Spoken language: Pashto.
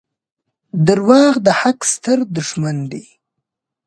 • دروغ د حق ستر دښمن دي.